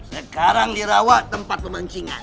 sekarang dirawat tempat pemancingan